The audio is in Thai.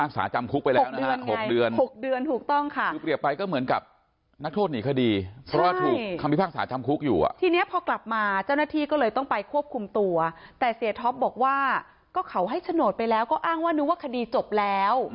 เสียท็อปบอกว่าก็เขาให้โฉนดไปแล้วก็อ้างว่านึกว่าคดีจบแล้ว